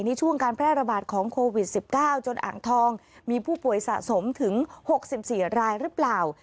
ในช่วงการแพร่ระบาดของโควิดสิบเก้าจนอังทองมีผู้ป่วยสะสมถึงหกสิบสี่รายหรือเปล่า